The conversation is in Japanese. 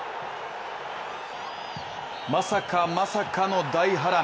まさかまさかの大波乱。